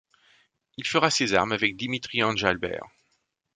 Il fera ses armes avec Dimitri Enjalbert.